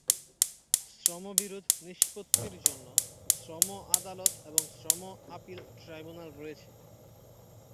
শ্রমবিরোধ নিষ্পত্তির জন্য শ্রম আদালত এবং শ্রম আপিল ট্রাইব্যুনাল রয়েছে।